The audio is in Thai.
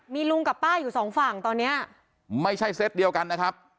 มีลุงกับป้าอยู่สองฝั่งตอนเนี้ยไม่ใช่เซตเดียวกันนะครับ